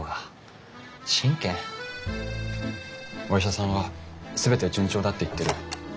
お医者さんは全て順調だって言ってる。